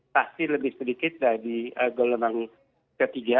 pasti lebih sedikit dari gelombang ketiga